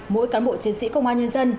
mỗi cán bộ chiến sĩ công an nhân dân